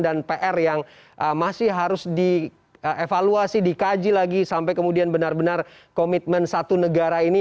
dan pr yang masih harus dievaluasi dikaji lagi sampai kemudian benar benar komitmen satu negara ini